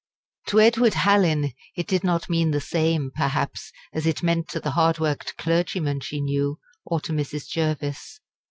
To Edward Hallin it did not mean the same, perhaps, as it meant to the hard worked clergymen she knew, or to Mrs. Jervis.